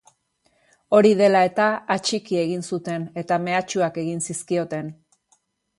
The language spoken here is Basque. Hori dela eta, atxiki egin zuten, eta mehatxuak egin zizkioten.